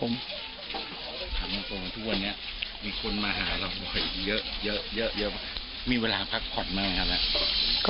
ทุกวันนี้มีคนมาหาเราเยอะมีเวลาพักผ่อนไหมครับ